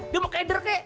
dia mau keder kek